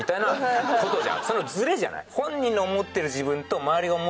そのズレじゃない。